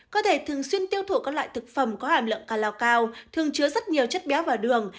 có thể thường xuyên tiêu thụ các loại thực phẩm có hàm lượng ca lao cao thường chứa rất nhiều chất béo vào đường